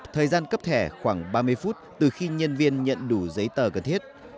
thời gian cấp thẻ khoảng ba mươi phút từ khi nhân viên nhận đủ giấy tờ cần thiết